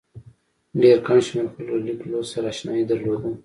ډېر کم شمېر خلکو له لیک لوست سره اشنايي درلوده.